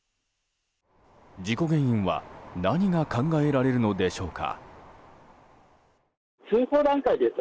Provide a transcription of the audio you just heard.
事故原因は何が考えられるのでしょうか。